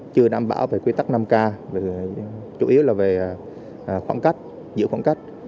chưa đảm bảo về quy tắc năm k chủ yếu là về khoảng cách giữa khoảng cách